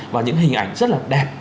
và những hình ảnh rất là đẹp